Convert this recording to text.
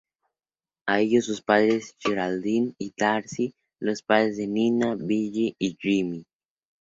A ellos sus padres Geraldine y Darcy los padres de Nina, Billie y Jimmy.